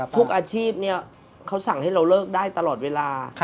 ทุกอาชีพเขาสั่งให้เราเลิกได้ตลอดเวลา